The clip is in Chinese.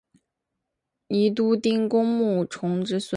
宜都丁公穆崇之孙。